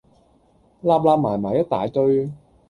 擸擸埋埋一大堆